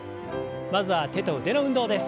まずは手と腕の運動です。